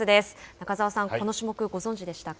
中澤さん、この種目ご存じでしたか。